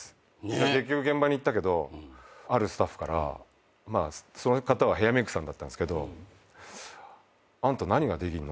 結局現場に行ったけどあるスタッフからその方はヘアメークさんだったんすけど「あんた何ができんの？」